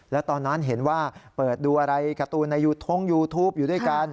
แล้วตอนนั้นเห็นว่าเปิดดูอะไรการ์ตูนในยูทงยูทูปอยู่ด้วยกัน